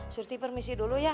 surti permisi dulu ya